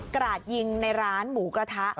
ราดยิงในร้านหมูกระทะ